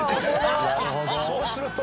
「そうすると」